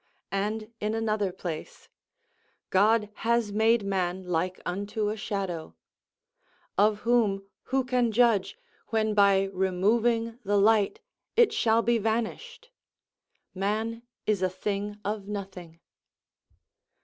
And, in another place, "God has made man like unto a shadow," of whom who can judge, when by removing the light it shall be vanished! Man is a thing of nothing.